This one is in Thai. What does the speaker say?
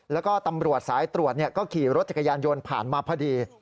แล้วก็ตำรวจสายตรวจก็ขี่รถจักรยานยนต์ผ่านมาพอดี